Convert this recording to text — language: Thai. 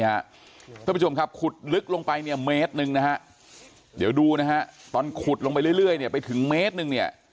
ท่านผู้ชมครับขุดลึกลงไปเนี่ยเมตรหนึ่งนะฮะเดี๋ยวดูนะฮะตอนขุดลงไปเรื่อยเนี่ยไปถึงเมตรหนึ่งเนี่ย